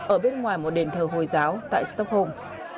ở bên ngoài một đền thờ hồi giáo tại stockholm